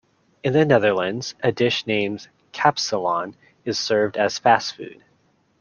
In the Netherlands a dish named 'kapsalon' is served as fast food.